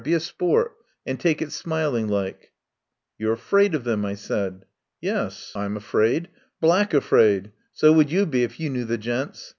Be a sport and take it smiling like " "You're afraid of them," I said. "Yuss. I'm afraid. Black afraid. So would you be if you knew the gents.